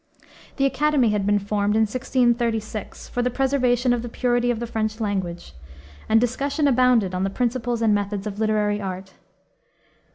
The Academy had been formed in 1636, for the preservation of the purity of the French language, and discussion abounded on the principles and methods of literary art.